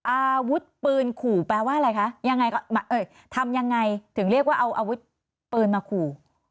อาวุธปืนขู่แปลว่าอะไรคะยังไงทำยังไงถึงเรียกว่าเอาอาวุธปืนมาขู่